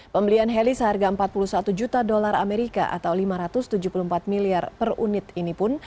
pembelian heli seharga empat puluh satu juta dolar amerika atau lima ratus tujuh puluh empat miliar per unit ini pun